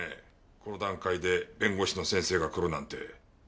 この段階で弁護士の先生が来るなんて。